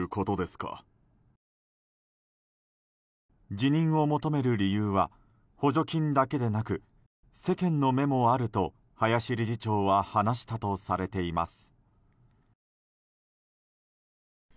辞任を求める理由は補助金だけでなく世間の目もあると林理事長は話したとされています。